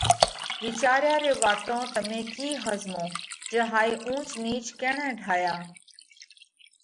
وِيچاريا ري واتون تمي ڪِي ۿزموه جي هائِي اُونچ نِيچ ڪيڻئہ ٺاياه؟